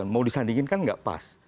mau disandingin kan nggak pas